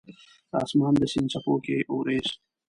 د اسمان د سیند څپو کې اوریځ